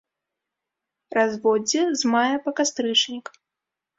Разводдзе з мая па кастрычнік.